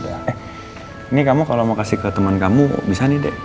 eh ini kamu kalau mau kasih ke teman kamu bisa nih dek